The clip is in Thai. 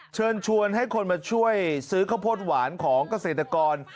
เชิญชวนให้คนมาช่วยซื้อข้าวโพดหวานของเกษตรกร